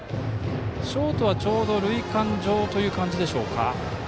ショートはちょうど塁間上という感じでしょうか。